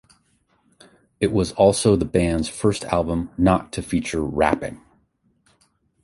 It was also the band's first album not to feature rapping.